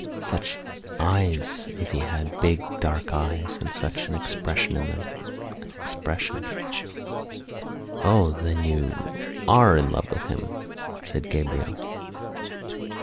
"Such eyes as he had: big, dark eyes! And such an expression in them—an expression!" "O then, you were in love with him?" said Gabriel.